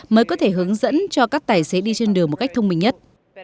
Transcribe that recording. mới có thể hướng dẫn cho các tài xế đi trên đường một cách thông minh nhất